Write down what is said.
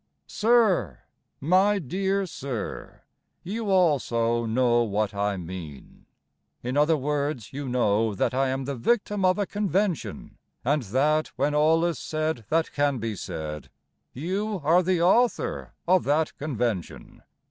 Sir, My dear Sir, You also know what I mean; In other words, you know That I am the victim of a convention, And that, when all is said that can be said, You are the author of that convention.